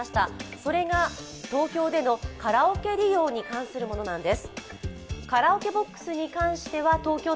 それが、東京でのカラオケ利用に関するものなんです。